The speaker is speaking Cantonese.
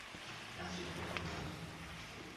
也是我的幸運